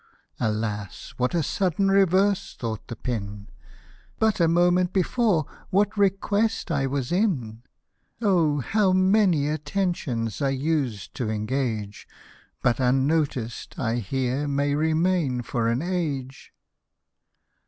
'< Alas ! what a sudden reverse !" thought the pin, " But a moment before what request I was in ;! how many attentions I used to engage, But unnoticed I here may remain for an age."